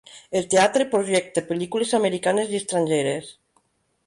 El teatre projecta pel·lícules americanes i estrangeres.